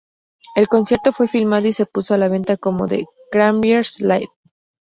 El concierto fue filmado y se puso a la venta como "The Cranberries Live".